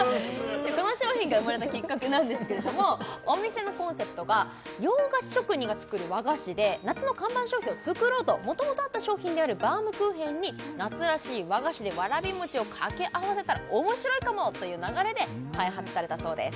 この商品が生まれたきっかけなんですけれどもお店のコンセプトが洋菓子職人が作る和菓子で夏の看板商品を作ろうともともとあった商品であるバウムクーヘンに夏らしい和菓子でわらび餅をかけ合わせたら面白いかもという流れで開発されたそうです